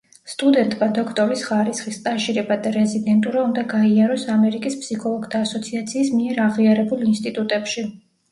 სტუდენტმა დოქტორის ხარისხი, სტაჟირება და რეზიდენტურა უნდა გაიაროს ამერიკის ფსიქოლოგთა ასოციაციის მიერ აღიარებულ ინსტიტუტებში.